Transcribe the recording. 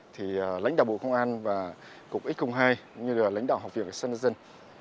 thì lãnh đạo bộ công an và cục x hai như là lãnh đạo học viện của sân dân